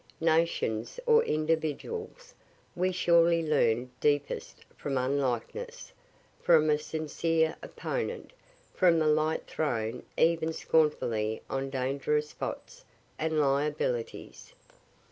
Nations or individuals, we surely learn deepest from unlikeness, from a sincere opponent, from the light thrown even scornfully on dangerous spots and liabilities.